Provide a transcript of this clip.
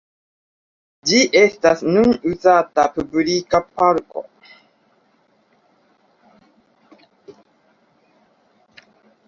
Ĝi estas nun uzata publika parko.